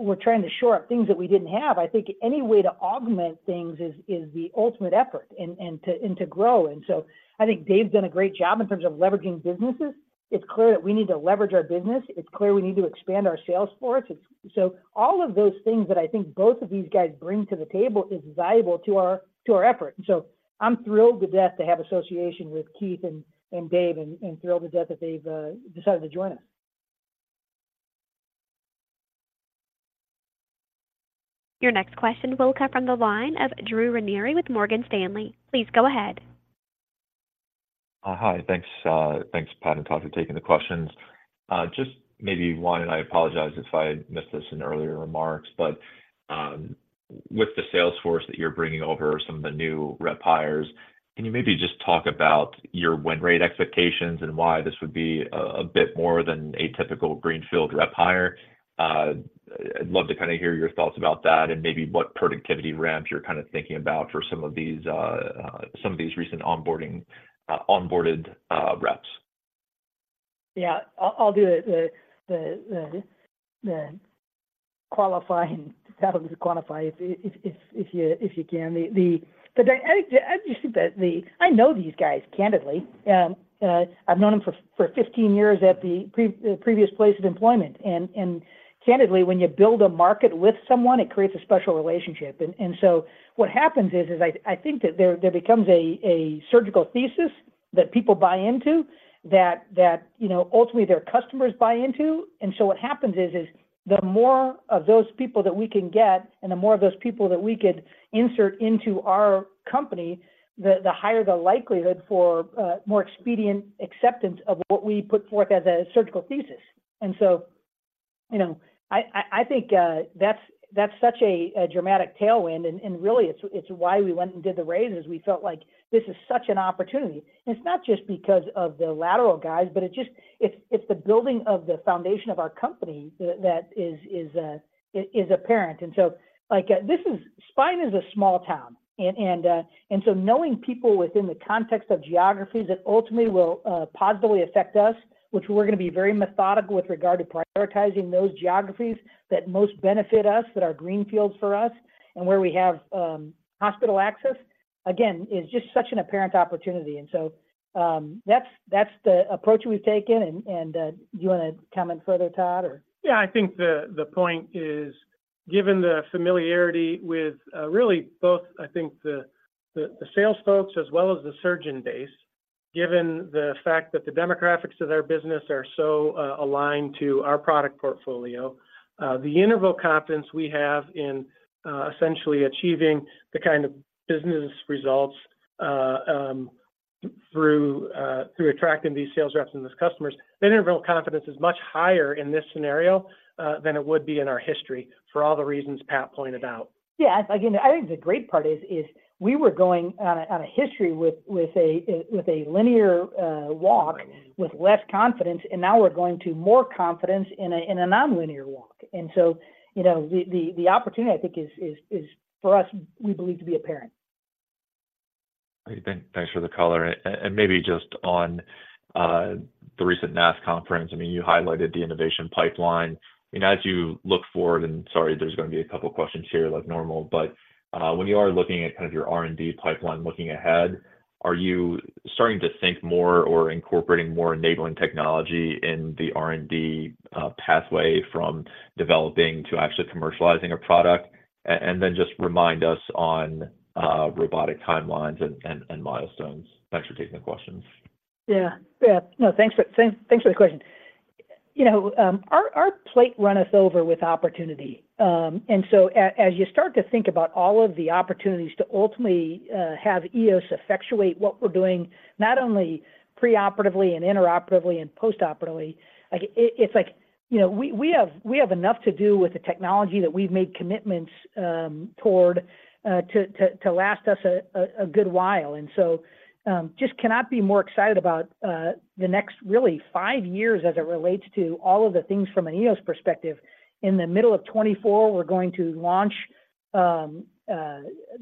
we're trying to shore up things that we didn't have. I think any way to augment things is the ultimate effort and to grow. And so I think Dave's done a great job in terms of leveraging businesses. It's clear that we need to leverage our business. It's clear we need to expand our sales force. So all of those things that I think both of these guys bring to the table is valuable to our effort. So I'm thrilled to death to have association with Keith and Dave, and thrilled to death that they've decided to join us. Your next question will come from the line of Drew Ranieri with Morgan Stanley. Please go ahead. ... Hi. Thanks, thanks, Pat and Todd, for taking the questions. Just maybe one, and I apologize if I missed this in earlier remarks, but, with the sales force that you're bringing over, some of the new rep hires, can you maybe just talk about your win rate expectations and why this would be a, a bit more than a typical greenfield rep hire? I'd love to kinda hear your thoughts about that and maybe what productivity ramps you're kind of thinking about for some of these, some of these recent onboarding, onboarded, reps. Yeah. I'll do the qualifying, how to qualify if you can. But I just think that the. I know these guys, candidly. I've known them for 15 years at the previous place of employment. And candidly, when you build a market with someone, it creates a special relationship. And so what happens is I think that there becomes a surgical thesis that people buy into, that you know, ultimately their customers buy into. And so what happens is the more of those people that we can get, and the more of those people that we could insert into our company, the higher the likelihood for more expedient acceptance of what we put forth as a surgical thesis. And so, you know, I think that's such a dramatic tailwind, and really, it's why we went and did the raises. We felt like this is such an opportunity, and it's not just because of the lateral guys, but it's the building of the foundation of our company that is apparent. And so, like, spine is a small town, and so knowing people within the context of geographies that ultimately will positively affect us, which we're gonna be very methodical with regard to prioritizing those geographies that most benefit us, that are greenfields for us, and where we have hospital access, again, is just such an apparent opportunity. And so, that's the approach we've taken. And do you wanna comment further, Todd, or? Yeah, I think the point is, given the familiarity with really both, I think, the sales folks as well as the surgeon base, given the fact that the demographics of their business are so aligned to our product portfolio, the interval confidence we have in essentially achieving the kind of business results through attracting these sales reps and these customers, the interval confidence is much higher in this scenario than it would be in our history, for all the reasons Pat pointed out. Yeah, again, I think the great part is we were going on a history with a linear walk with less confidence, and now we're going to more confidence in a nonlinear walk. And so, you know, the opportunity, I think is for us, we believe, to be apparent. Great. Thanks for the color. And maybe just on the recent NASS conference, I mean, you highlighted the innovation pipeline. I mean, as you look forward, and sorry, there's gonna be a couple of questions here like normal, but when you are looking at kind of your R&D pipeline looking ahead, are you starting to think more or incorporating more enabling technology in the R&D pathway from developing to actually commercializing a product? And then just remind us on robotic timelines and milestones. Thanks for taking the questions. Yeah. Yeah. No, thanks for the question. You know, our plate run us over with opportunity. And so as you start to think about all of the opportunities to ultimately have EOS effectuate what we're doing, not only preoperatively and intraoperatively and postoperatively, like, it's like, you know, we have enough to do with the technology that we've made commitments toward to last us a good while. And so, just cannot be more excited about the next really five years as it relates to all of the things from an EOS perspective. In the middle of 2024, we're going to launch the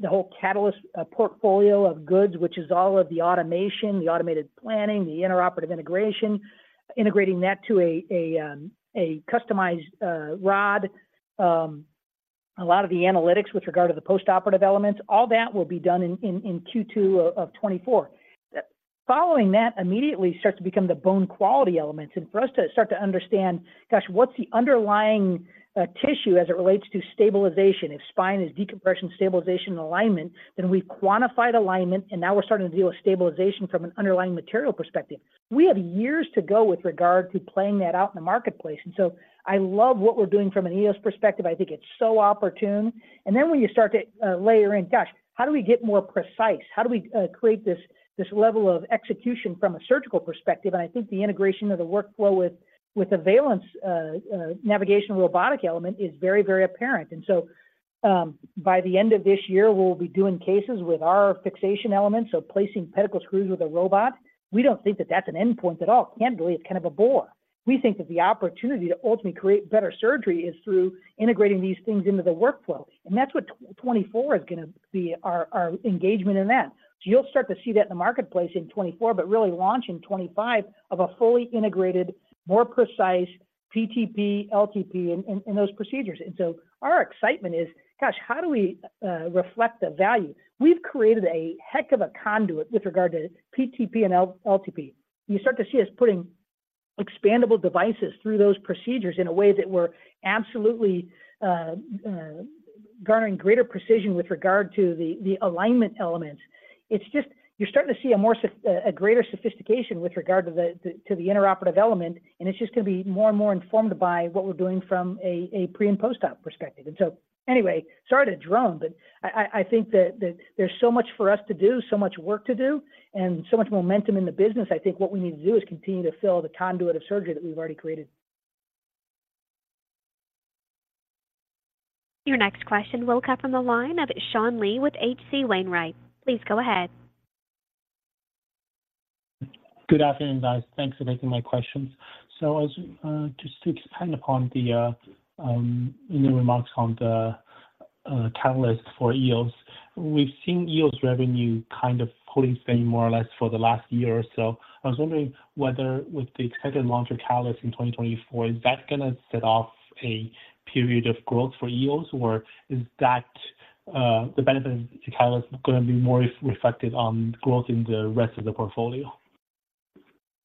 whole Caliper portfolio of goods, which is all of the automation, the automated planning, the intraoperative integration, integrating that to a customized rod. A lot of the analytics with regard to the postoperative elements, all that will be done in Q2 of 2024. Following that, immediately starts to become the bone quality elements, and for us to start to understand, gosh, what's the underlying tissue as it relates to stabilization? If spine is decompression, stabilization, and alignment, then we've quantified alignment, and now we're starting to deal with stabilization from an underlying material perspective. We have years to go with regard to playing that out in the marketplace, and so I love what we're doing from an EOS perspective. I think it's so opportune. And then when you start to layer in, gosh, how do we get more precise? How do we create this level of execution from a surgical perspective? And I think the integration of the workflow with the Remi navigation robotic element is very, very apparent. And so, by the end of this year, we'll be doing cases with our fixation elements, so placing pedicle screws with a robot. We don't think that that's an endpoint at all. Candidly, it's kind of a bore. We think that the opportunity to ultimately create better surgery is through integrating these things into the workflow, and that's what 2024 is gonna be our engagement in that. So you'll start to see that in the marketplace in 2024, but really launch in 2025, of a fully integrated, more precise PTP, LTP in those procedures. And so our excitement is, gosh, how do we reflect the value? We've created a heck of a conduit with regard to PTP and LTP. You start to see us putting expandable devices through those procedures in a way that we're absolutely garnering greater precision with regard to the alignment elements. It's just you're starting to see a greater sophistication with regard to the intraoperative element, and it's just gonna be more and more informed by what we're doing from a pre- and post-op perspective. And so anyway, sorry to drone, but I think that there's so much for us to do, so much work to do, and so much momentum in the business. I think what we need to do is continue to fill the conduit of surgery that we've already created. Your next question will come from the line of Sean Lee with H.C. Wainwright. Please go ahead. Good afternoon, guys. Thanks for taking my questions. So just to expand upon the remarks on the Caliper for EOS, we've seen EOS revenue kind of pulling steady more or less for the last year or so. I was wondering whether with the expected launch of Caliper in 2024, is that gonna set off a period of growth for EOS, or is that the benefit of Caliper gonna be more re-reflected on growth in the rest of the portfolio?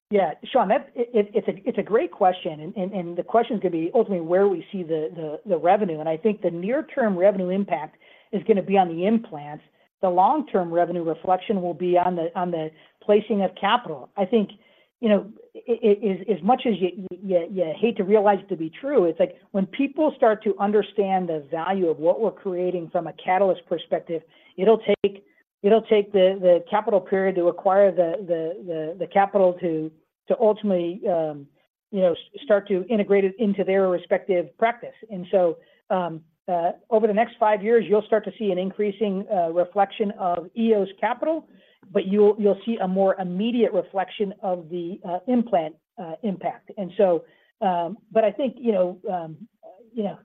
Yeah, Sean, that's a great question, and the question is gonna be ultimately where we see the revenue. And I think the near term revenue impact is gonna be on the implants. The long-term revenue reflection will be on the placing of capital. I think, you know, as much as you hate to realize it to be true, it's like when people start to understand the value of what we're creating from a Caliper perspective, it'll take the capital period to acquire the capital to ultimately, you know, start to integrate it into their respective practice. And so, over the next five years, you'll start to see an increasing reflection of EOS capital, but you'll see a more immediate reflection of the implant impact. And so, but I think, you know, you know,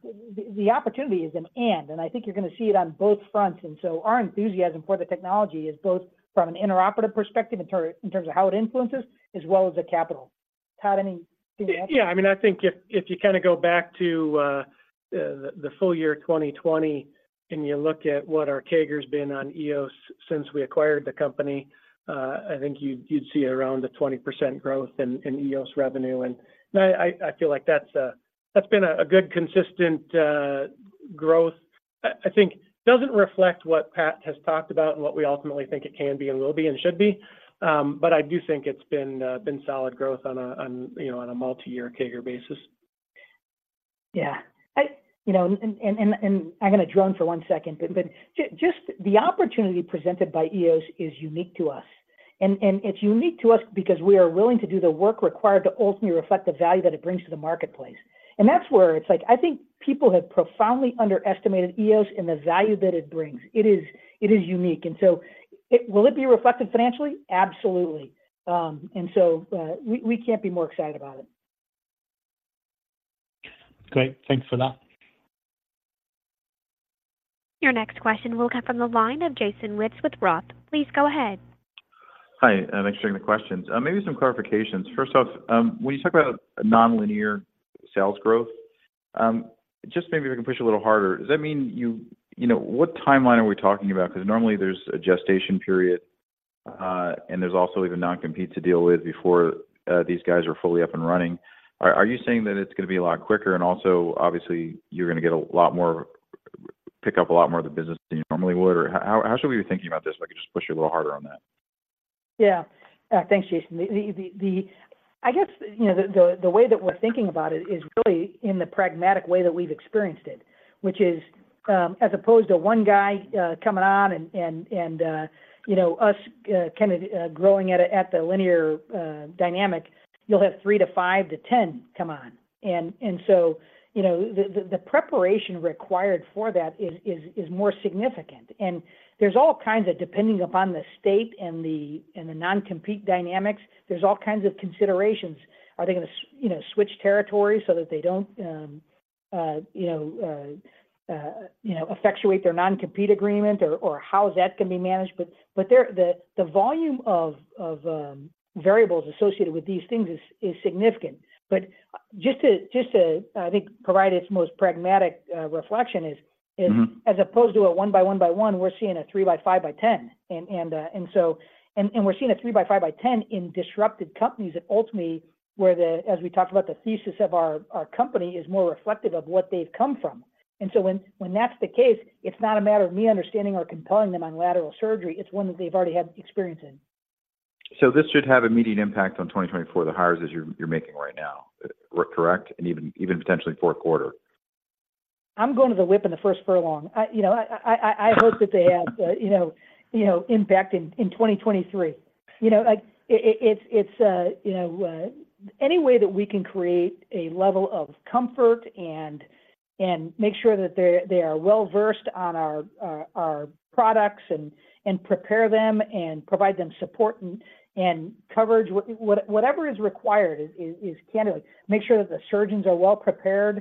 the opportunity is, and I think you're gonna see it on both fronts. And so our enthusiasm for the technology is both from an intraoperative perspective in terms of how it influences, as well as the capital. Todd, any additional- Yeah, I mean, I think if you kinda go back to the full year 2020, and you look at what our CAGR's been on EOS since we acquired the company, I think you'd see around a 20% growth in EOS revenue. And I feel like that's been a good consistent growth. I think it doesn't reflect what Pat has talked about and what we ultimately think it can be and will be and should be. But I do think it's been solid growth on a, you know, on a multi-year CAGR basis. Yeah. You know, I'm gonna drone for one second, but just the opportunity presented by EOS is unique to us. And it's unique to us because we are willing to do the work required to ultimately reflect the value that it brings to the marketplace. And that's where it's like, I think people have profoundly underestimated EOS and the value that it brings. It is unique, and so, will it be reflected financially? Absolutely. And so, we can't be more excited about it. Great. Thank you for that. Your next question will come from the line of Jason Wittes with Roth. Please go ahead. Hi, thanks for taking the questions. Maybe some clarifications. First off, when you talk about a nonlinear sales growth, just maybe if I can push a little harder, does that mean you... You know, what timeline are we talking about? 'Cause normally there's a gestation period, and there's also even non-compete to deal with before these guys are fully up and running. Are you saying that it's gonna be a lot quicker, and also, obviously, you're gonna get a lot more, pick up a lot more of the business than you normally would? Or how should we be thinking about this? If I could just push you a little harder on that. Yeah. Thanks, Jason. I guess, you know, the way that we're thinking about it is really in the pragmatic way that we've experienced it, which is, as opposed to one guy coming on and, you know, us kinda growing at the linear dynamic, you'll have three to five to 10 come on. And so, you know, the preparation required for that is more significant. And there's all kinds of depending upon the state and the non-compete dynamics, there's all kinds of considerations. Are they gonna switch territories so that they don't, you know, effectuate their non-compete agreement or how is that gonna be managed? But the volume of variables associated with these things is significant. But just to, I think, provide its most pragmatic reflection is- Mm-hmm... as opposed to a one by one by one, we're seeing a three by five by 10. And so we're seeing a three by five by 10 in disrupted companies that ultimately, where the, as we talked about, the thesis of our company is more reflective of what they've come from. And so when that's the case, it's not a matter of me understanding or compelling them on lateral surgery; it's one that they've already had experience in. So this should have immediate impact on 2024, the hires as you're making right now, correct? And even potentially fourth quarter. I'm going to the whip in the first furlong. You know, I hope that they have, you know, impact in 2023. You know, like, it's, you know, any way that we can create a level of comfort and make sure that they're they are well-versed on our products and prepare them and provide them support and coverage, whatever is required is, candidly, make sure that the surgeons are well prepared.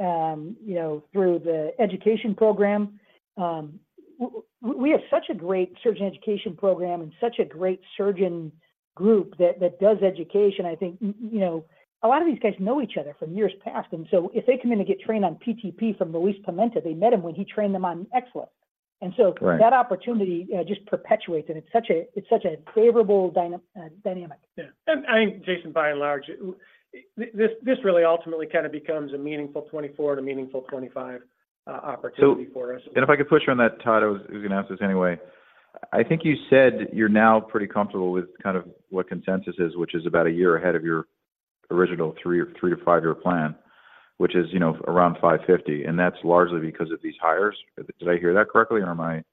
Mm-hmm... you know, through the education program. We have such a great surgeon education program and such a great surgeon group that does education. I think, you know, a lot of these guys know each other from years past, and so if they come in to get trained on PTP from Luiz Pimenta, they met him when he trained them on XLIF. Right. And so that opportunity just perpetuates, and it's such a favorable dynamic. Yeah. And Jason, by and large, this really ultimately kinda becomes a meaningful 2024 to meaningful 2025 opportunity for us. So, and if I could push you on that, Todd, I was gonna ask this anyway: I think you said you're now pretty comfortable with kind of what consensus is, which is about a year ahead of your original three or three to five-year plan, which is, you know, around $550, and that's largely because of these hires. Did I hear that correctly, or am I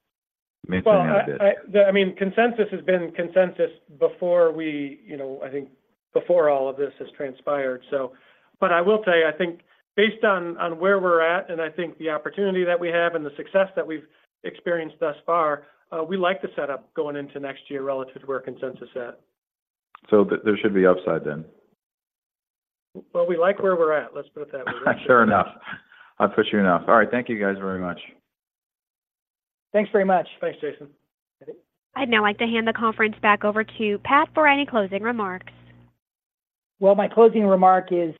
mentioning a bit? Well, I mean, consensus has been consensus before we, you know, I think before all of this has transpired, so... But I will tell you, I think based on where we're at and I think the opportunity that we have and the success that we've experienced thus far, we like the setup going into next year relative to where consensus is at. So there should be upside then? Well, we like where we're at, let's put it that way. Sure enough. I'll push you enough. All right. Thank you, guys, very much. Thanks very much. Thanks, Jason. I'd now like to hand the conference back over to Pat for any closing remarks. Well, my closing remark is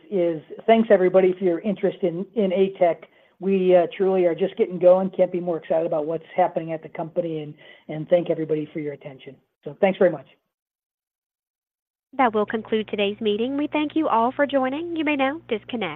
thanks everybody for your interest in ATEC. We truly are just getting going. Can't be more excited about what's happening at the company and thank everybody for your attention. So thanks very much. That will conclude today's meeting. We thank you all for joining. You may now disconnect.